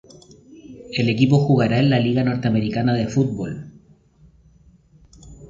El equipo jugará en la Liga Norteamericana de Fútbol.